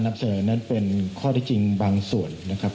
แล้วก็จำลองนะครับเป็นศาลการณ์ของคดีนะครับ